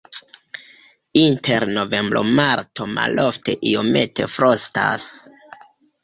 Inter novembro-marto malofte iomete frostas.